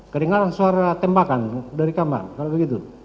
kedengaran suara tembakan dari kamar kalau begitu